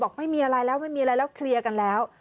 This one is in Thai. บอกไม่มีอะไรแล้วแล้วเคลียร์กันแล้ว